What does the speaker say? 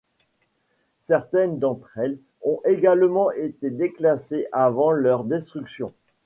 Certaines d'entre elles ont également été déclassées avant leur destruction.